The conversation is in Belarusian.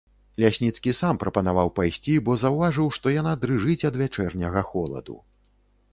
Лясніцкі сам прапанаваў пайсці, бо заўважыў, што яна дрыжыць ад вячэрняга холаду.